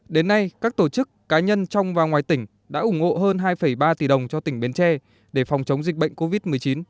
đến nay các tổ chức cá nhân trong và ngoài tỉnh đã ủng hộ hơn hai ba tỷ đồng cho tỉnh bến tre để phòng chống dịch bệnh covid một mươi chín